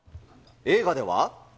映画では。